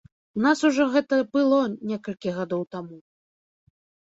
У нас ужо гэта было некалькі гадоў таму.